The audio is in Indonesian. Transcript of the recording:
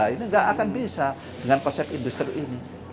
ini nggak akan bisa dengan konsep industri ini